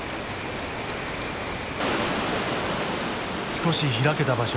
少し開けた場所に来た。